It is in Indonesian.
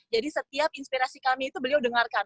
jadi setiap inspirasi kami itu beliau dengarkan